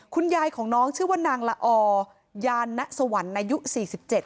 คุณยายของน้องชื่อว่านางละอยาณสวรรค์อายุสี่สิบเจ็ด